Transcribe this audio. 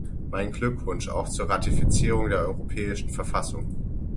Meinen Glückwunsch auch zur Ratifizierung der Europäischen Verfassung.